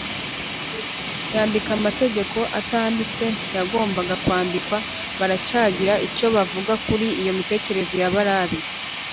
yandika Amategeko atanditse ntiyagombaga kwandikwa baracyagira icyo bavuga kuri iyo mitekerereze ya ba rabi